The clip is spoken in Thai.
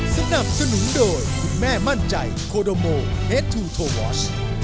สนับสนุนโดยคุณแม่มั่นใจโคโดโมเฮดทูโทวอช